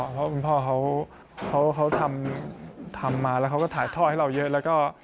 เพราะคุณพ่อเขาทำมาแล้วเขาก็ถ่ายทอดให้เราเยอะแล้วก็